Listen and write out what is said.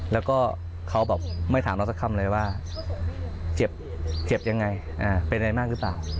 แล้วก็เขาบอกไม่ถามเราสักคำเลยว่าเจ็บยังไงเป็นอะไรมากหรือเปล่า